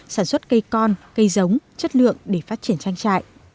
sản xuất cây con cây giống chất lượng để phát triển trang trại